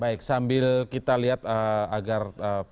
baik sambil kita lihat agar